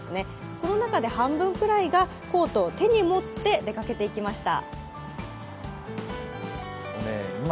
この中で半分くらいが、コートを手に持って出かけていきました。